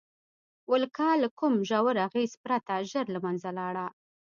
ولکه له کوم ژور اغېز پرته ژر له منځه لاړه.